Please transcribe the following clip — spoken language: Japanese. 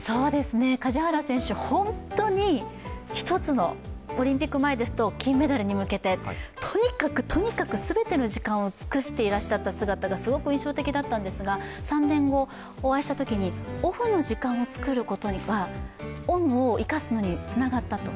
梶原選手、本当に一つのオリンピック前ですと、金メダルに向けてとにかくとにかく全ての時間を尽くしていらっしゃった姿がすごく印象的だったんですが、３年後お会いしたときにオフの時間を作ることがオンを生かすのにつながったと。